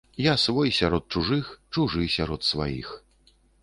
Я свой сярод чужых, чужы сярод сваіх.